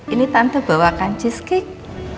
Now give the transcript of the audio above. ini tante bawakan cheesecake